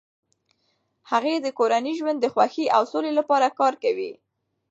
هغې د کورني ژوند د خوښۍ او سولې لپاره کار کوي.